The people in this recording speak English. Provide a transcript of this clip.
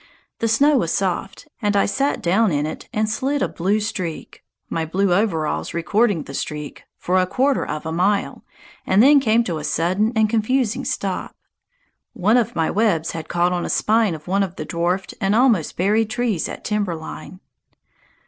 The snow was soft, and I sat down in it and slid "a blue streak" my blue overalls recording the streak for a quarter of a mile, and then came to a sudden and confusing stop; one of my webs had caught on a spine of one of the dwarfed and almost buried trees at timber line.